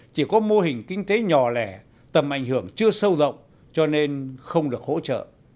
chỉ có mô hình kinh tế nhỏ lẻ tầm ảnh hưởng chưa sâu rộng cho nên không được hỗ trợ